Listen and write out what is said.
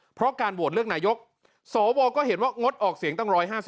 เพราะการโหวตเลือกนายกสวก็เห็นว่างดออกเสียงตั้ง๑๕๐